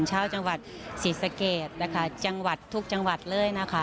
ชาวจังหวัดศรีสะเกดนะคะจังหวัดทุกจังหวัดเลยนะคะ